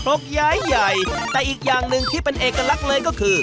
กย้ายใหญ่แต่อีกอย่างหนึ่งที่เป็นเอกลักษณ์เลยก็คือ